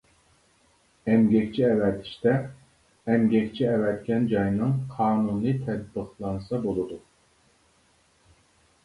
ئەمگەكچى ئەۋەتىشتە، ئەمگەكچى ئەۋەتكەن جاينىڭ قانۇنى تەتبىقلانسا بولىدۇ.